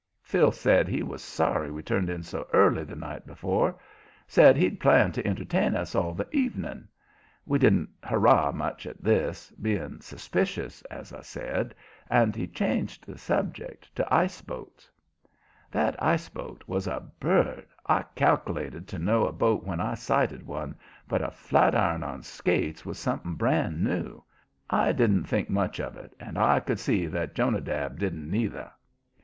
Phil said he was sorry we turned in so early the night afore. Said he'd planned to entertain us all the evening. We didn't hurrah much at this being suspicious, as I said and he changed the subject to ice boats. That ice boat was a bird. I cal'lated to know a boat when I sighted one, but a flat iron on skates was something bran new. I didn't think much of it, and I could see that Jonadab didn't neither.